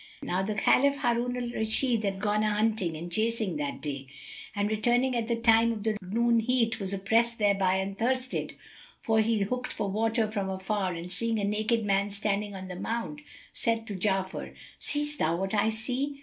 Now the Caliph Harun al Rashid had gone a hunting and chasing that day; and, returning at the time of the noon heat, was oppressed thereby and thirsted; so he looked for water from afar and seeing a naked man standing on the mound said to Ja'afar, "Seest thou what I see?"